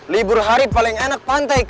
libur hari paling enak pantai